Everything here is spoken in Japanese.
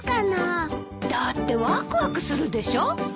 だってわくわくするでしょ。